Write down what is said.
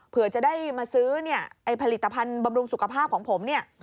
เผื่อจะได้มาซื้อไอ้ผลิตภัณฑ์บำรุงสุขภาพของผม